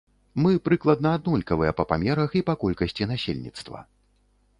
Мы прыкладна аднолькавыя па памерах і па колькасці насельніцтва.